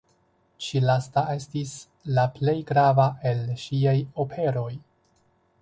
Ĉi lasta estis la plej grava el ŝiaj operoj.